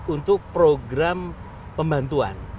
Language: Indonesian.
untuk program pembantuan